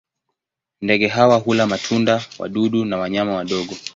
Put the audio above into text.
Ndege hawa hula matunda, wadudu na wanyama wadogo.